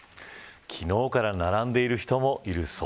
昨日から並んでいる人もいるそう。